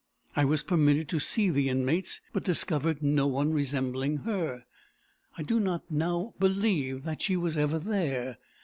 I was permitted to see the inmates, but discovered no one resembling her. I do not now believe that she was ever there.